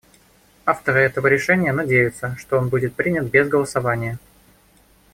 Авторы этого решения надеются, что он будет принят без голосования.